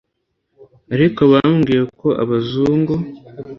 ariko bambwiye ko abazungu